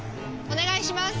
お願いします！